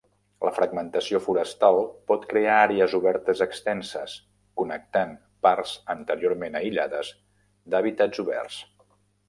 La fragmentació forestal pot crear àrees obertes extenses, connectant parts anteriorment aïllades d'hàbitats oberts.